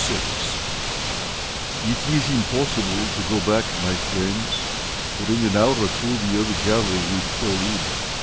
VI "It is impossible to go back, my friends, for in an hour or two the other gallery will fall in."